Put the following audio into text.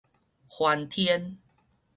翻天